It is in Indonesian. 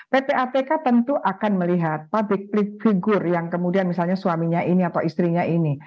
ppatk tentu akan melihat public figure yang kemudian misalnya suaminya ini atau istrinya ini